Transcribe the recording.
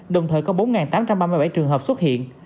đồng thời có bốn tám trăm ba mươi bảy trường hợp xuất hiện